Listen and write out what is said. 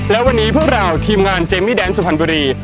และวันนี้พวกเราทีมงานเจมมี่แดนสุพรรณบุรี